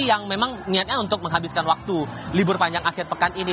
yang memang niatnya untuk menghabiskan waktu libur panjang akhir pekan ini